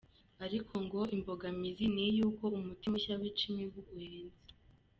Ariko ngo imbogamizi ni iy’uko umuti mushya wica imibu uhenze cyane.